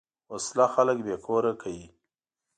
وسله خلک بېکور کوي